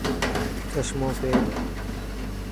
چشمو پير.